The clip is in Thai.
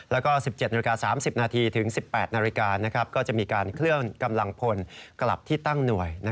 แล้วก็๑๗๓๐นถึง๑๘๐๐นก็จะมีการเคลื่อนกำลังพลกลับที่ตั้งหน่วย